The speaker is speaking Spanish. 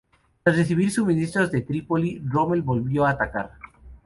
Tras recibir suministros desde Trípoli, Rommel volvió a atacar.